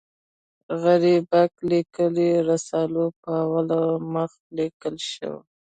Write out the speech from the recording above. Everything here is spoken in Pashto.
غریبک لیکلي رسالو پر اول مخ لیکل شوي.